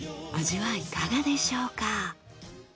味はいかがでしょうか？